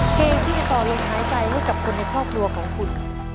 เกมที่ต่อยังหายใจด้วยกับคนในครอบครัวของคุณ